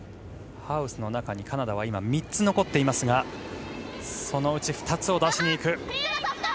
ハウスの中にカナダは今３つ残っていますがそのうち２つを出しにいく。